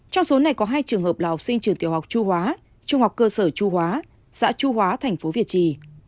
trong số này có hai trường hợp là học sinh trường tiểu học chu hóa trung học cơ sở chu hóa xã chu hóa thành phố việt trì